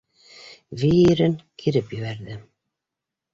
ВИИирен киреп ебәрҙе